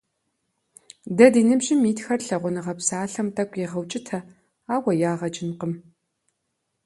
Дэ ди ныбжьым итхэр «лъагъуныгъэ» псалъэм тӀэкӀу егъэукӀытэ, ауэ ягъэ кӀынкъым.